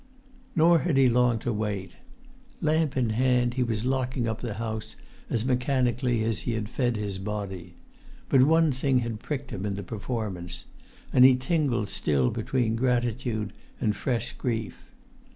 Nor had he long to wait. Lamp in hand, he was locking up the house as mechanically as he had fed his body; but one thing had pricked him in the performance, and he tingled still between gratitude and fresh grief.